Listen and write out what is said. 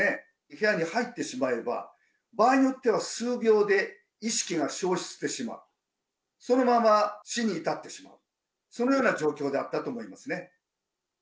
部屋に入ってしまえば、場合によっては数秒で意識が消失してしまう、そのまま死に至ってしまう、そのような状況であったと思いますね。